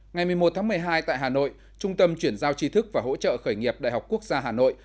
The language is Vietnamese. ngày một mươi một tháng một mươi hai tại hà nội trung tâm chuyển giao tri thức và hỗ trợ khởi nghiệp đại học quốc gia hà nội